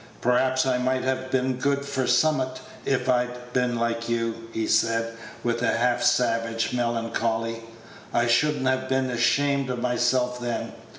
"Perhaps I might have been good for summat if I'd been like you," he said, with a half savage melancholy. "I should n't have been ashamed of myself then.